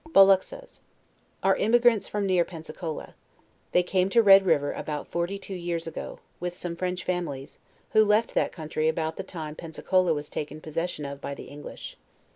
BOLUXAS. Are emigrants from near Fensacola. They came to Red river about forty two years ago, with some French families, who left that country about the time Penea cola was taken possession of by the English.